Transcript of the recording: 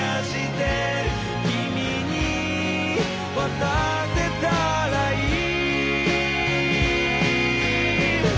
「君に渡せたらいい」